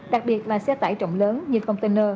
đặc biệt là xe tải trọng lớn như container